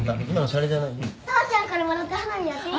紗和ちゃんからもらった花火やっていい？